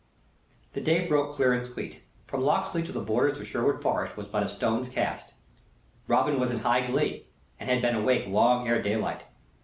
The day broke clear and sweet. From Locksley to the borders of Sherwood Forest was but a stone's cast. Robin was in high glee, and had been awake long ere daylight.